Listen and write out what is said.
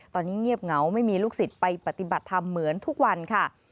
ตอนนี้เงียบเหงาไม่มีลูกศิษย์ไปปฏิบัติธรรมเหมือนทุกวันค่ะ